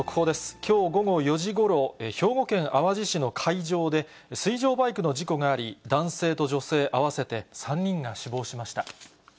きょう午後４時ごろ、兵庫県淡路市の海上で、水上バイクの事故があり、男性と女性合わせて３人が死亡しました。